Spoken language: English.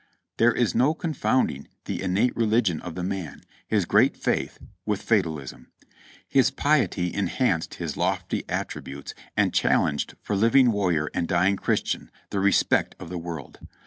There is no confounding the innate religion of the man, his great faith, with fatalism. His piety enhanced his lofty attributes and challenged for living warrior and dying Christian the respect of the world.